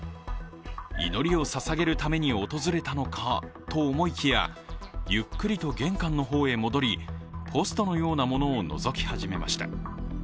祈りをささげるために訪れたのかと思いきやゆっくりと玄関の方に戻りポストのようなものをのぞき始めました。